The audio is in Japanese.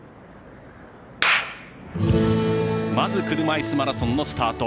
まず、車いすマラソンのスタート。